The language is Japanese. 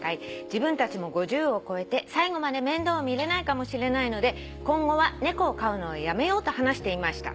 自分たちも５０を越えて最後まで面倒を見れないかもしれないので今後は猫を飼うのをやめようと話していました」